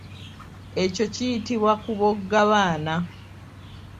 Ekyo kiyitibwa koboggabaana.